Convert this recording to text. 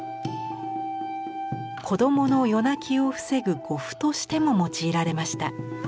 子どもの夜泣きを防ぐ護符としても用いられました。